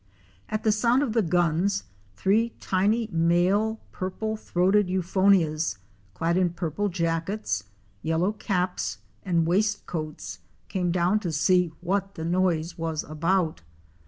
At the sound of the guns three tiny male Purple throated Euphonias clad in purple jackets, yellow caps and waist coats, came down to see what the noise was about.